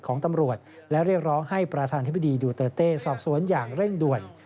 ของตำรวจและเรียกร้องให้ประธานธิบดีดูเตอร์เต้สอบสวนอย่างเร่งด่วน